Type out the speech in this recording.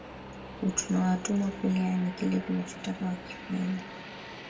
o tunawatuma kule yaani kile tunachotaka wakifanye